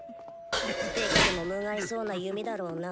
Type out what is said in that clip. できても無害そうな弓だろうな。